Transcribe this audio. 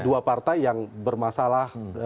dua partai yang bermasalah